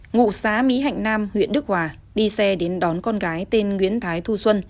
ngụ xã mỹ hạnh nam huyện đức hòa đi xe đến đón con gái tên nguyễn thái thu xuân